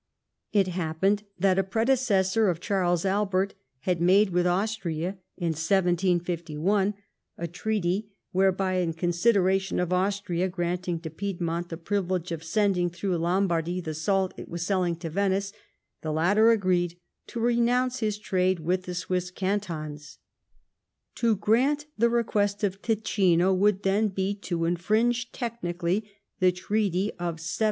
It happened that a predecessor of Charles Albert had made with Austria, in 1751, a treaty whereby, in consideration of Austria granting to Piedmont the privilege of sending through Lombardy the salt it was selling to Venice, the latter agreed to renounce his trade with the Swiss cantons. To grant the request of Ticino would, then, be to infringe, technically, the treaty of 1751.